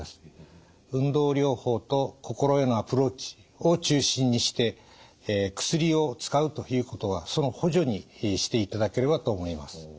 運動療法と心へのアプローチを中心にして薬を使うということはその補助にしていただければと思います。